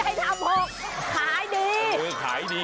ไม่ใช่คำหกขายดี